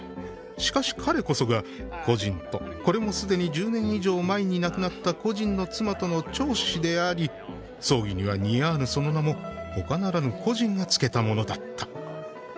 「しかし彼こそが、故人と、これもすでに十年以上前になくなった故人の妻との長子であり、葬儀には似合わぬその名も、他ならぬ故人がつけたものだった」。